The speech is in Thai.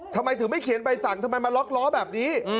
ทำไมถึงไม่เขียนใบสั่งทำไมมาล็อกล้อแบบนี้